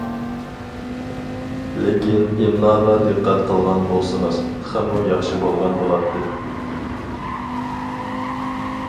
لېكىن ئىملاغا دىققەت قىلغان بولسىڭىز تېخىمۇ ياخشى بولغان بولاتتى.